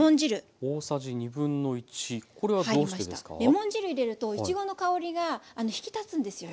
レモン汁入れるといちごの香りが引き立つんですよね。